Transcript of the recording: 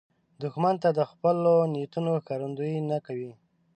دښمن د خپلو نیتونو ښکارندویي نه کوي